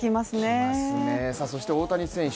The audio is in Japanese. そして大谷選手